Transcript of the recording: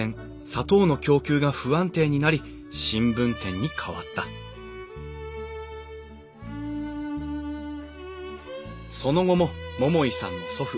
砂糖の供給が不安定になり新聞店に変わったその後も桃井さんの祖父